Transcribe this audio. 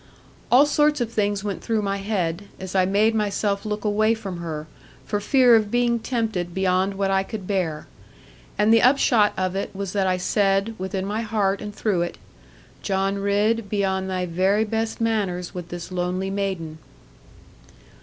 All sorts of things went through my head, as I made myself look away from her, for fear of being tempted beyond what I could bear. And the upshot of it was that I said, within my heart and through it, 'John Ridd, be on thy very best manners with this lonely maiden.'